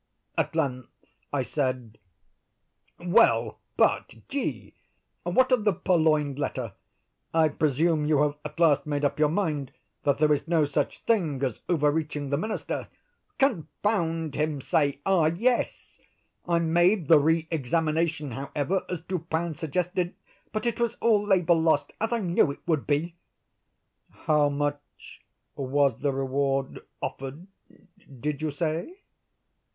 At length I said,— "Well, but G——, what of the purloined letter? I presume you have at last made up your mind that there is no such thing as overreaching the Minister?" "Confound him, say I—yes; I made the re examination, however, as Dupin suggested—but it was all labor lost, as I knew it would be." "How much was the reward offered, did you say?"